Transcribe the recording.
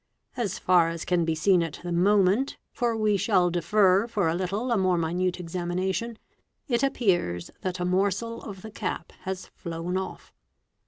As far as can be seen at the moment, for we shall defer for a little a more minute examination, it appears that a morsel of the cap | has flown off.